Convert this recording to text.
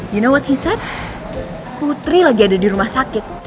lo tau apa dia bilang putri lagi ada di rumah sakit